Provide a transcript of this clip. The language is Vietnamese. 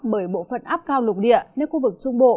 bởi bộ phận áp cao lục địa nơi khu vực trung bộ